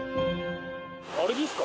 あれですか？